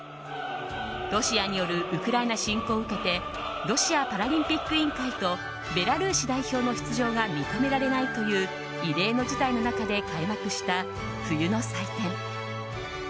ロシアによるウクライナ侵攻を受けてロシアパラリンピック委員会とベラルーシ代表の出場が認められないという異例の事態の中で開幕した冬の祭典。